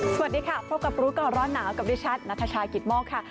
สวัสดีค่ะพบกับรู้ก่อนร้อนหนาวกับดิฉันนัทชายกิตโมกค่ะ